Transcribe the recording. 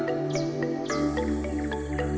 ketika dapur itu berfungsi